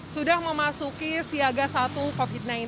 sudah memasuki siaga satu covid sembilan belas